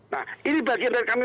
nah ini bagian dari kami